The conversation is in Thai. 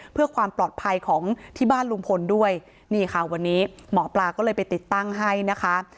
เพื่อความปลอดภัยของที่บ้านลุงพลด้วยนี่ค่ะวันนี้หมอปลาก็เลยไปติดตั้งให้นะคะ